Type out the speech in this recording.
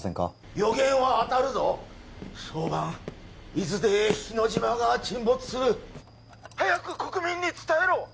予言は当たるぞ早晩伊豆で日之島が沈没する☎早く国民に伝えろ！